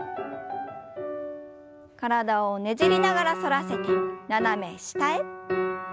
体をねじりながら反らせて斜め下へ。